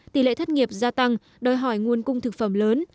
tỷ lệ thất nghiệp gia tăng đòi hỏi nguồn cung thực phẩm lớn